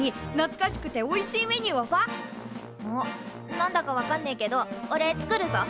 なんだかわかんねえけどおれ作るぞ！